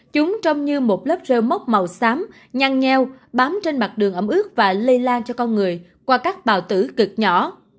chúng trông như một lớp rêu mốc màu xám nhăn nheo bám trên mặt đường ẩm ướt và lây lan cho con người qua các bào tử cực nhỏ